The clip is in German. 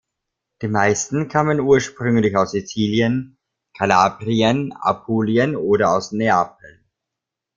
Die meisten kamen ursprünglich aus Sizilien, Kalabrien, Apulien oder aus Neapel.